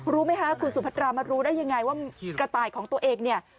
รู้ไหมคะคุณสุพัตรามารู้ได้ยังไงว่ากระต่ายของตัวเองเนี่ย